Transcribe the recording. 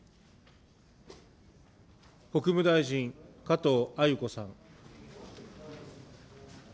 国務大臣、加藤鮎子さん。